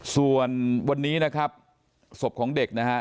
ส่วนวันนี้นะครับศพของเด็กนะฮะ